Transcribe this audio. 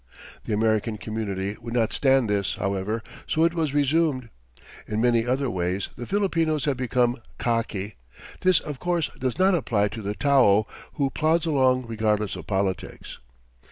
The American community would not stand this, however, so it was resumed. In many other ways the Filipinos have become "cocky." This of course does not apply to the tao, who plods along regardless of politics.